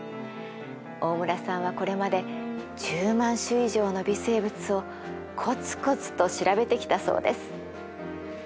大村さんはこれまで１０万種以上の微生物をコツコツと調べてきたそうです。